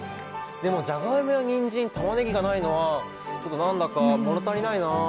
でもじゃがいもやにんじんたまねぎがないのはちょっと何だか物足りないな。